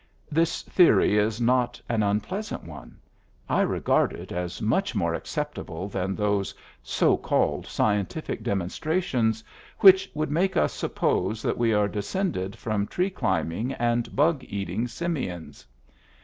This theory is not an unpleasant one; I regard it as much more acceptable than those so called scientific demonstrations which would make us suppose that we are descended from tree climbing and bug eating simians.